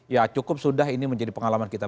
ya cukup sudah ini menjadi pengalaman kita